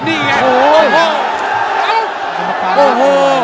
นี่แหละโอโห